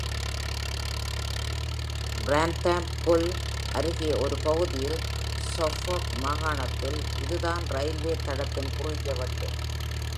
Brantham Bull அருகே ஒரு பகுதியில், Suffolk மாகாணத்தில் இது தான் ரயில்வே தடத்தின் குறுகிய வெட்டு.